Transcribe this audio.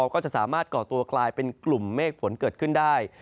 ก็จะสามารถก่อตัวกลายเป็นกลุ่มเมฆฝนเกิดขึ้นได้